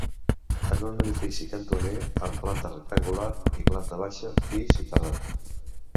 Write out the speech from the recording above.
És un edifici cantoner, amb planta rectangular, i planta baixa, pis i terrat.